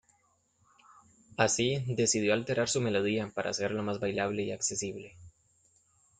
Así, decidió alterar su melodía para hacerla más bailable y accesible.